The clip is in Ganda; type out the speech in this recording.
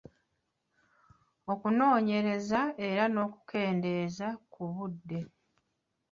Okunoonyereza era n’okukendeeza ku budde.